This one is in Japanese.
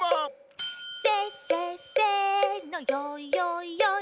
「せっせっせのよいよいよい」